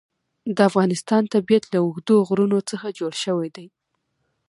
د افغانستان طبیعت له اوږده غرونه څخه جوړ شوی دی.